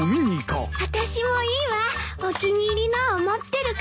私もいいわお気に入りのを持ってるから。